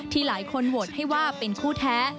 หลายคนโหวตให้ว่าเป็นคู่แท้